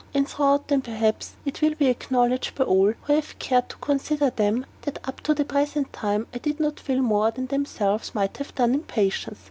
And throughout them perhaps it will be acknowledged by all who have cared to consider them, that up to the present time I did not fail more than themselves might have done in patience.